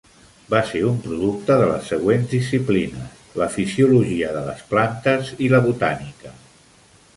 Va ser un producte de les següents disciplines: la fisiologia de les plantes i la botànica.